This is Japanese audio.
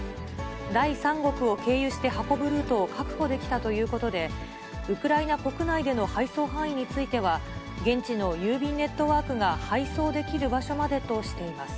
第三国を経由して運ぶルートを確保できたということで、ウクライナ国内での配送範囲については、現地の郵便ネットワークが配送できる場所までとしています。